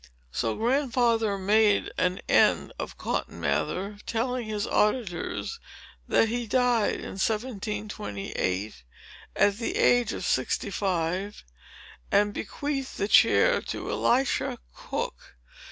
So Grandfather made an end of Cotton Mather, telling his auditors that he died in 1728, at the age of sixty five, and bequeathed the chair to Elisha Cooke.